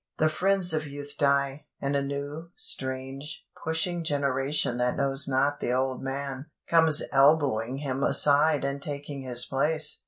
The friends of youth die, and a new, strange, pushing generation that knows not the old man, comes elbowing him aside and taking his place.